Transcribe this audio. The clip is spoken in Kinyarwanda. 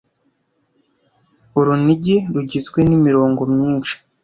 Urunigi rugizwe nimirongo myinshi.